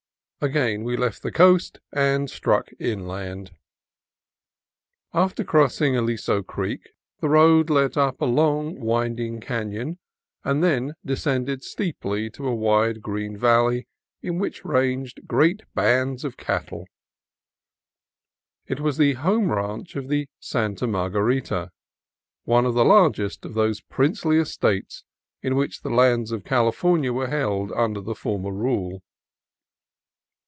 Again we left the coast and struck inland. After crossing Aliso Creek the road led up a long winding canon, and then descended steeply to a wide green valley in which ranged great bands of cattle. It was the Home Ranch of the Santa Margarita, one of the largest of those princely estates in which the lands of California were held under the former rule.